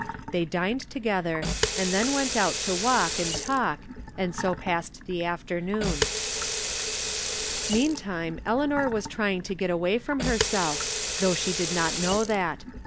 They dined together, and then went out to walk and talk, and so passed the afternoon. Meantime Eleanor was trying to get away from herseK, though she did not know that.